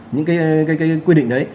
những cái quy định đấy